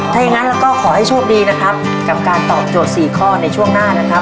ถ้าอย่างนั้นเราก็ขอให้โชคดีนะครับกับการตอบโจทย์สี่ข้อในช่วงหน้านะครับ